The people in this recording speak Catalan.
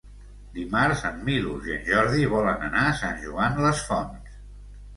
Dimarts en Milos i en Jordi volen anar a Sant Joan les Fonts.